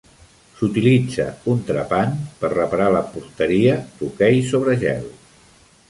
S'utilitza un trepant per reparar la porteria d'hoquei sobre gel.